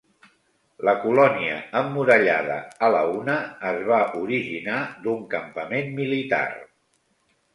La colònia emmurallada "Alauna" es va originar d'un campament militar.